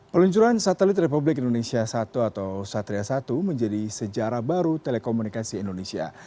peluncuran satelit republik indonesia satu atau satria satu menjadi sejarah baru telekomunikasi indonesia